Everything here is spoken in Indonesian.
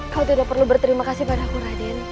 kau tidak perlu berterima kasih padaku raden